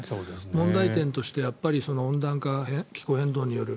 問題点として温暖化、気候変動による。